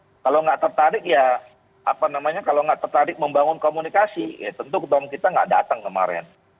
kalau nggak tertarik ya apa namanya kalau nggak tertarik membangun komunikasi ya tentu ketua umum kita nggak datang kemarin